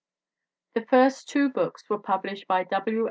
The first two books were published by W